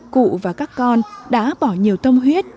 cụ và các con đã bỏ nhiều tâm huyết